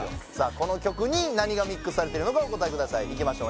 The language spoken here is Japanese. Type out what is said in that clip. この曲に何がミックスされているのかお答えくださいいきましょう